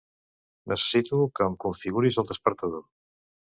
Necessito que em configuris el despertador.